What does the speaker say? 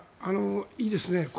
いいですね。